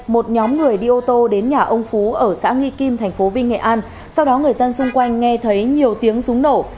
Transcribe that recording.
một nhóm người đi ô tô đến nhà ông phú ở xã nghi kim tp hcm sau đó người dân xung quanh nghe thấy nhiều tiếng súng nổ